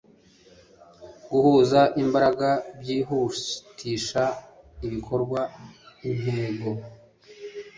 guhuza imbaraga byihutisha ibikorwa intego